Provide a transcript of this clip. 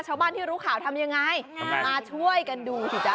ชาวบ้านที่รู้ข่าวทำยังไงมาช่วยกันดูสิจ๊ะ